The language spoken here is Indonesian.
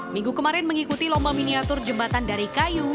minggu kemarin mengikuti lomba miniatur jembatan dari kayu